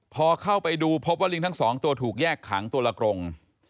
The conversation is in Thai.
พอเข้าไปดูพบว่าลิงทั้งสองตัวถูกแยกขังตัวละกรง